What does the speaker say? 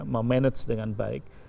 memanage dengan baik